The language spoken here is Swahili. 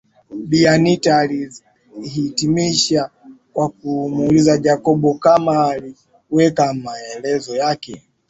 Bi Anita alihitimisha kwa kumuuliza Jacob kama alielewa maelezo yake